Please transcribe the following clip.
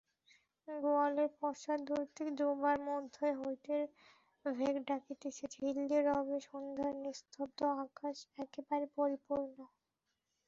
গোয়ালের পশ্চাদ্বর্তী ডোবার মধ্য হইতে ভেক ডাকিতেছে এবং ঝিল্লিরবে সন্ধ্যার নিস্তব্ধ আকাশ একেবারে পরিপূর্ণ।